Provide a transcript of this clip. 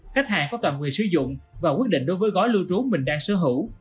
khách hàng có toàn quyền sử dụng và quyết định đối với gói lưu trú mình đang sở hữu